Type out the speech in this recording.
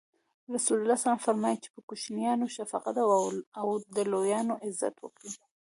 رسول الله ص فرمایي: چی پر کوچنیانو شفقت او او د لویانو عزت وکړي.